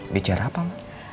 bicara apa ma